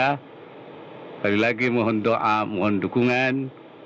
sekali lagi mohon doa mohon dukungan